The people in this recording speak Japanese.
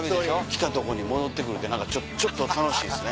来たとこに戻って来るって何かちょっと楽しいですね。